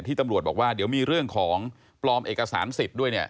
ตำรวจบอกว่าเดี๋ยวมีเรื่องของปลอมเอกสารสิทธิ์ด้วยเนี่ย